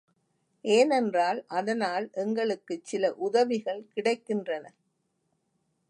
ஏனென்றால், அதனால் எங்களுக்குச் சில உதவிகள் கிடைக்கின்றன.